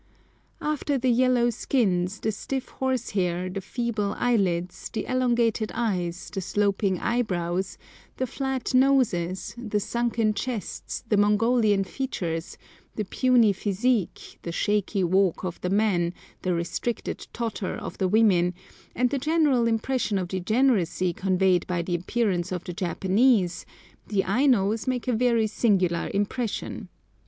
After the yellow skins, the stiff horse hair, the feeble eyelids, the elongated eyes, the sloping eyebrows, the flat noses, the sunken chests, the Mongolian features, the puny physique, the shaky walk of the men, the restricted totter of the women, and the general impression of degeneracy conveyed by the appearance of the Japanese, the Ainos make a very singular impression.